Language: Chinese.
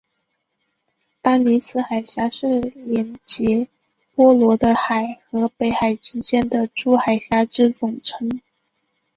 丹尼斯海峡是连结波罗的海和北海之间的诸海峡之总称。